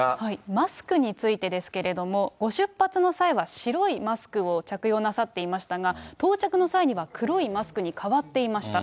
マスクについてですけれども、ご出発の際は白いマスクを着用なさっていましたが、到着の際には、黒いマスクに変わっていました。